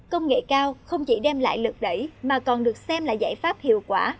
công nghệ cao không chỉ đem lại lực đẩy mà còn được xem là giải pháp hiệu quả